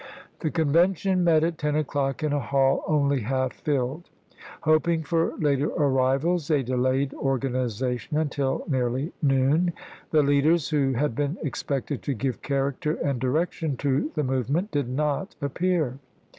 1864. ' The Convention met at 10 o'clock in a hall only half filled. Hoping for later arrivals, they delayed organization until nearly noon. The leaders who had been expected to give character and direction to the movement did not appear.